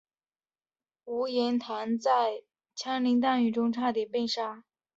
吴廷琰在枪林弹雨中差点被杀。